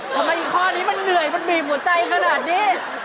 อีกข้อนี้มันเหนื่อยมันบีบหัวใจขนาดนี้